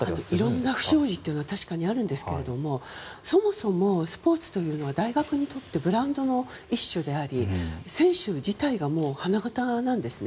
いろんな不祥事は確かにあるんですけれどもそもそもスポーツというのは大学にとってブランドの一種であり選手自体が花形なんですね。